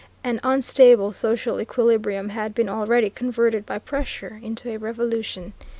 An unstable social equilibrium had been already converted by pressure into a revolution.